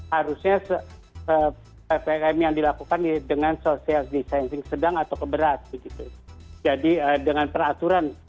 harusnya ppkm yang dilakukan di lockdown